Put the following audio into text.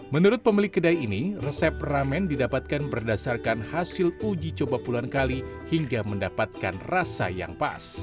menurut pemilik kedai ini resep ramen didapatkan berdasarkan hasil uji coba puluhan kali hingga mendapatkan rasa yang pas